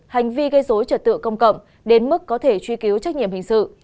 hành vi gây dối trật tự công cộng đến mức có thể truy cứu trách nhiệm hình sự